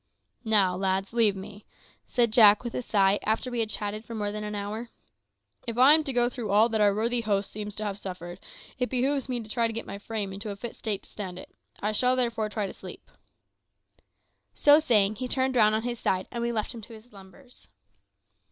"Now, lads, leave me," said Jack, with a sigh, after we had chatted for more than an hour. "If I am to go through all that our worthy host seems to have suffered, it behoves me to get my frame into a fit state to stand it. I shall therefore try to sleep." So saying he turned round on his side, and we left him to his slumbers.